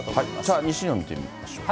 じゃあ、西日本見てみましょう。